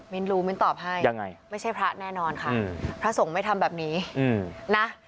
รู้มิ้นตอบให้ยังไงไม่ใช่พระแน่นอนค่ะพระสงฆ์ไม่ทำแบบนี้นะ